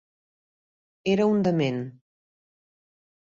Era un dement.